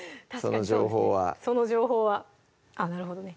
その情報はあっなるほどね